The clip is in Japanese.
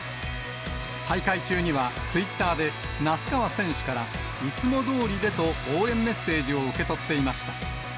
大会中にはツイッターで、那須川選手から、いつもどおりでと、応援メッセージを受け取っていました。